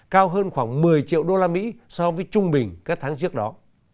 cao hơn khoảng một mươi triệu usd so với trung bình các tháng trước đó